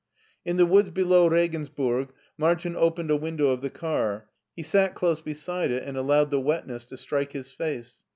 In the woods below Regensburg, Martin opened a window of the car. He sat close beside it and allowed the wetness to strike his face.